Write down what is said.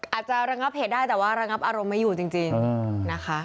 ระงับเหตุได้แต่ว่าระงับอารมณ์ไม่อยู่จริงนะคะ